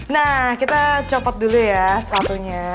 nah kita copot dulu ya sepatunya